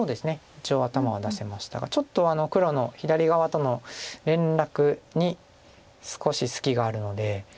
一応頭は出せましたがちょっと黒の左側との連絡に少し隙があるので。